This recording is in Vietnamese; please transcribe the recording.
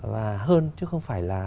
và hơn chứ không phải là